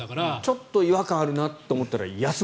ちょっと違和感あるなと思ったら休む。